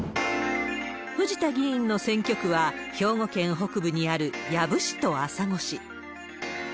藤田議員の選挙区は、兵庫県北部にある養父市と朝来市。